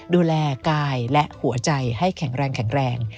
ดูแลกายและหัวใจให้แข็งแรง